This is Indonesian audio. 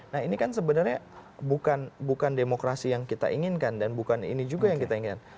nah ini kan sebenarnya bukan demokrasi yang kita inginkan dan bukan ini juga yang kita inginkan